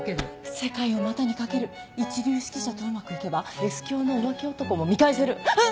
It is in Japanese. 世界を股に掛ける一流指揮者とうまくいけばＳ響の浮気男も見返せるうん！